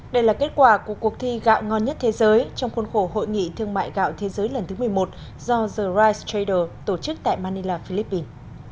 đây là kết quả của cuộc thi gạo ngon nhất thế giới trong khuôn khổ hội nghị thương mại gạo thế giới lần thứ một mươi một do the rice trader tổ chức tại manila philippines